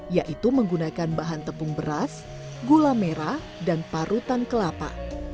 yaitu menggunakan bahan tepung beras gula merah dan parutan kelapa